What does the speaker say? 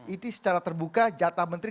itu secara terbuka jatah menteri